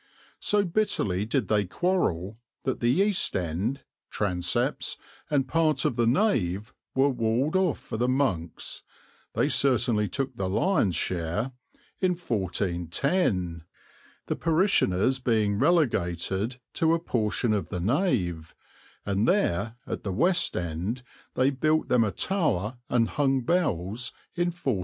So bitterly did they quarrel that the east end, transepts, and part of the nave were walled off for the monks they certainly took the lion's share in 1410, the parishioners being relegated to a portion of the nave; and there, at the west end, they built them a tower and hung bells in 1476.